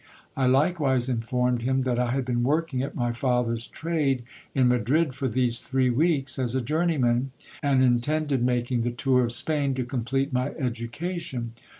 I likewise informed him, that I had been working at my father's trade in Madrid, for these three weeks, as a journeyman, and intended making the tour of Spain to complete my education.